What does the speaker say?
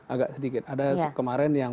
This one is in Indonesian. agak sedikit ada kemarin yang